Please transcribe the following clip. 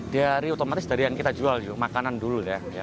diari otomatis dari yang kita jual makanan dulu ya